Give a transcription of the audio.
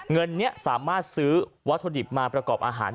เงินนี้สามารถซื้อวัตถุดิบมาประกอบอาหาร